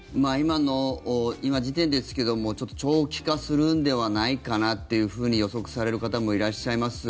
今時点ですけども長期化するんじゃないかと予測される方もいらっしゃいます。